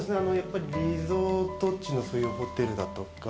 リゾート地のそういうホテルだとか。